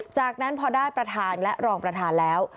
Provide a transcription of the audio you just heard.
จากนั้นพอได้ประธานและรองประธานแล้ว